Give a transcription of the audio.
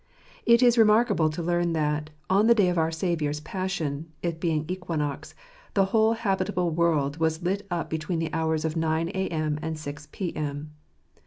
It is remarkable to learn that, on the day of our Saviour's passion, it being equinox, the whole habitable world was lit up between the hours of nine a.m. and six p.m.